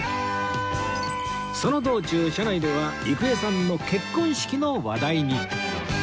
その道中車内では郁恵さんの結婚式の話題に